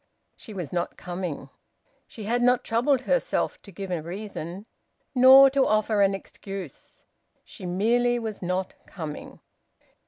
She was not coming. She had not troubled herself to give a reason, nor to offer an excuse. She merely was not coming.